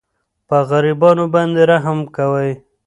په غریبانو باندې رحم کوئ.